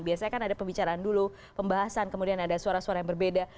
biasanya kan ada pembicaraan dulu pembahasan kemudian ada suara suara yang berbeda